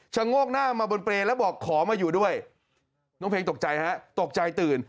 โงกหน้ามาบนเปรย์แล้วบอกขอมาอยู่ด้วยน้องเพลงตกใจฮะตกใจตื่น